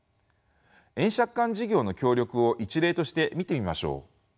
円借款事業の協力を一例として見てみましょう。